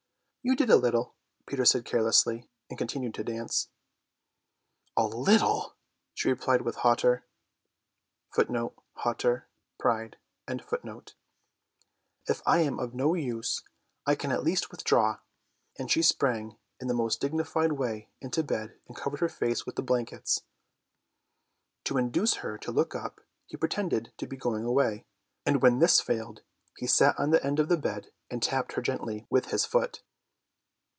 "You did a little," Peter said carelessly, and continued to dance. "A little!" she replied with hauteur; "if I am no use I can at least withdraw," and she sprang in the most dignified way into bed and covered her face with the blankets. To induce her to look up he pretended to be going away, and when this failed he sat on the end of the bed and tapped her gently with his foot.